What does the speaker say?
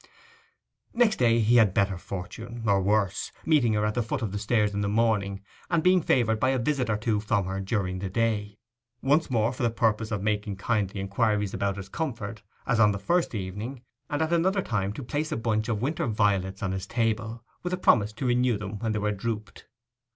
Next day he had better fortune, or worse, meeting her at the foot of the stairs in the morning, and being favoured by a visit or two from her during the day—once for the purpose of making kindly inquiries about his comfort, as on the first evening, and at another time to place a bunch of winter violets on his table, with a promise to renew them when they drooped.